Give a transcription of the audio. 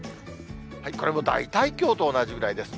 これも大体きょうと同じぐらいです。